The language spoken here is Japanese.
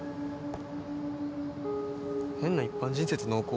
変な一般人説濃厚。